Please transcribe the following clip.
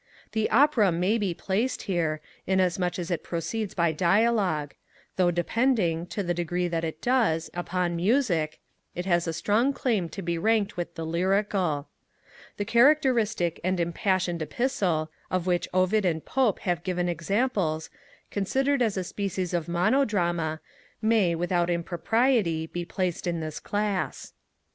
The Opera may be placed here, inasmuch as it proceeds by dialogue; though depending, to the degree that it does, upon music, it has a strong claim to be ranked with the lyrical. The characteristic and Impassioned Epistle, of which Ovid and Pope have given examples, considered as a species of monodrama, may, without impropriety, be placed in this class.